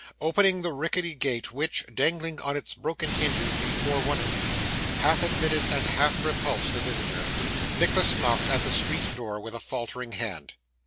Opening the rickety gate which, dangling on its broken hinges before one of these, half admitted and half repulsed the visitor, Nicholas knocked at the street door with a faltering hand.